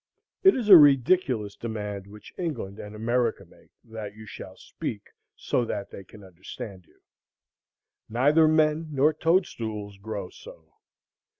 It is a ridiculous demand which England and America make, that you shall speak so that they can understand you. Neither men nor toad stools grow so.